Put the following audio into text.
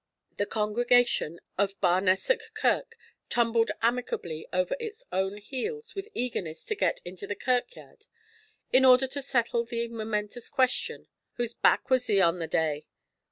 The congregation of Barnessock kirk tumbled amicably over its own heels with eagerness to get into the kirkyaird in order to settle the momentous question, 'Wha's back was he on the day?'